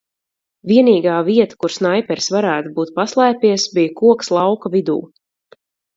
Vienīgā vieta, kur snaiperis varētu būt paslēpies, bija koks lauka vidū.